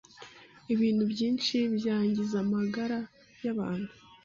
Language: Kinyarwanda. ibintu byinshi byangiza amagara y’abantu